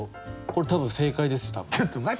これ多分正解ですよ多分。